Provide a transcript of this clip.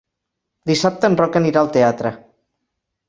Dissabte en Roc anirà al teatre.